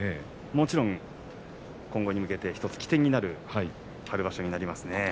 もちろん今後に向けて１つの起点になる春場所になりますね。